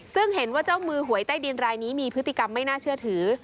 ซึ่งเห็นว่าเจ้ามือหวยใต้ดินรายนี้มีพฤติกรรมไม่น่าเชื่อถือ